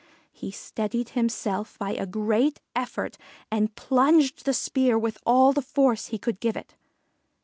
He steadied himself by a great effort and plunged the spear with all the force he could give it.